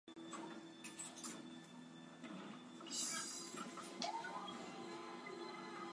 塘栖尾孢虫为尾孢科尾孢虫属的动物。